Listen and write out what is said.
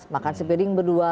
makan sepiring berdua